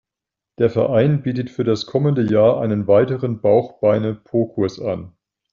Der Verein bietet für das kommende Jahr einen weiteren Bauch-Beine-Po-Kurs an.